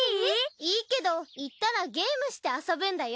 いいけど行ったらゲームして遊ぶんだよ？